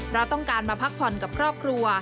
เพราะต้องการมาพักผ่อนกับครอบครัว